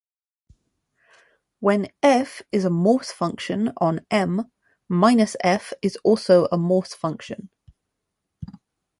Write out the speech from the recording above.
When "f" is a Morse function on "M", "-f" is also a Morse function.